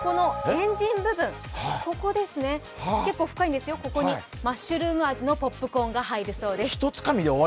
このエンジン部分、ここですね、結構深いんですよ、ここにマッシュルーム味のポップコーンが入るそうです。